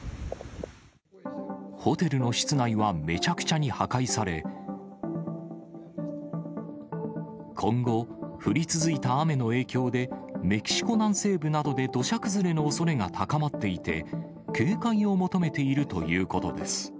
ホテルの室内はめちゃくちゃに破壊され、今後、降り続いた雨の影響で、メキシコ南西部などで土砂崩れのおそれが高まっていて、警戒を求めているということです。